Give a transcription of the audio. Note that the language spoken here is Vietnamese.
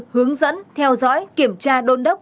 hướng dẫn theo dõi kiểm tra đôn đốc